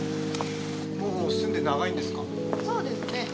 もう住んで長いんですか？